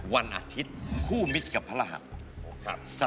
วันอาทิตย์คู่มิตรกับพระรหัส